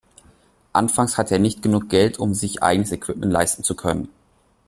Anfangs hatte er nicht genug Geld, um sich eigenes Equipment leisten zu können.